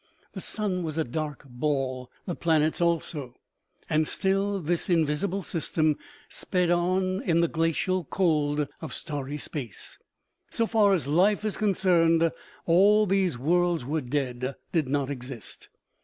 The sun was a dark ball, the planets also ; and still this invisible system sped on in the glacial cold of starry space. So far as life is concerned, all these worlds were dead, did not exist.